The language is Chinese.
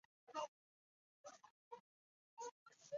女孩罗一笑的父亲罗尔是一名深圳媒体人。